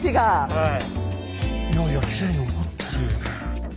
はい。